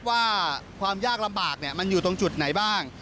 ว่าความยากลำบากมันอยู่ตรงจุดไหนบ้าง